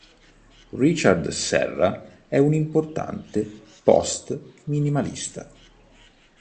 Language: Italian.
Richard Serra è un importante post-minimalista.